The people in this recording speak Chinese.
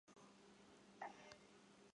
敌向申津渡方向逃去。